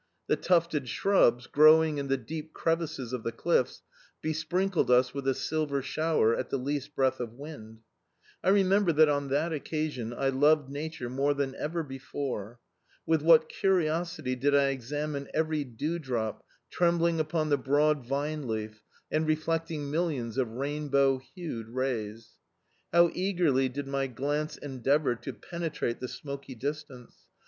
The tufted shrubs, growing in the deep crevices of the cliffs, besprinkled us with a silver shower at the least breath of wind. I remember that on that occasion I loved Nature more than ever before. With what curiosity did I examine every dewdrop trembling upon the broad vine leaf and reflecting millions of rainbowhued rays! How eagerly did my glance endeavour to penetrate the smoky distance!